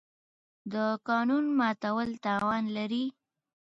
د قانون ماتول تاوان لري.